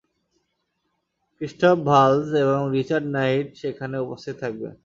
Christoph Waltz এবং Richard Wright সেখানে উপস্থিত থাকবেন।